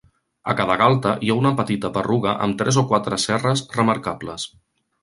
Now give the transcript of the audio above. A cada galta hi ha una petita berruga amb tres o quatre cerres remarcables.